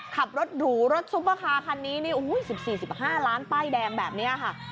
ขับรถหรูรถซุปเปอร์คาร์คันนี้นี่๑๔๑๕ล้านป้ายแดงแบบนี้ค่ะ